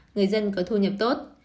người dân có thu nhập tốt